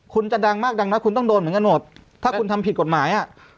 คุณจะดังมากดังนะคุณต้องโดนเหมือนกันหมดถ้าคุณทำผิดกฎหมายอ่ะ